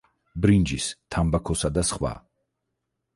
ბრინჯის, თამბაქოსა და სხვა.